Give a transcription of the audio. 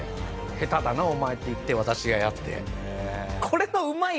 「下手だなお前」って言って私がやって。